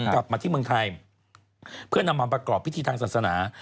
กลับมาที่เมืองไทยเพื่อนำมาประกอบพิธีทางศาสนา